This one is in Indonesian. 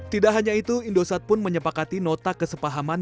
tidak hanya itu indosat pun menyepakati nota kesepahaman